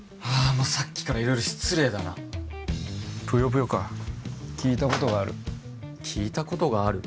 もうさっきから色々失礼だなぷよぷよか聞いたことがある聞いたことがある？